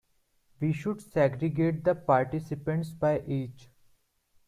We should segregate the participants by age.